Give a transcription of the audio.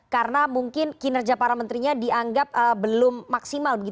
karena mungkin kinerja para menterinya dianggap belum maksimal